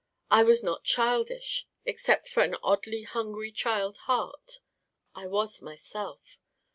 I was not childish except for an oddly hungry child heart. I was myself.